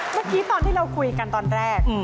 เมื่อกี้ตอนที่เราคุยกันตอนแรก